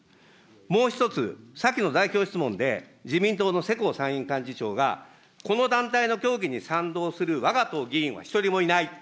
もう１つ、先の代表質問で自民党の世耕参院幹事長がこの団体の教義に賛同する、わが党議員は１人もいない。